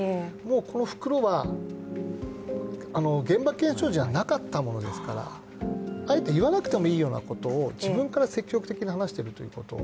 この袋は現場検証時はなかったものですからあえて言わなくてもいいようなことを自分から積極的に話しているということ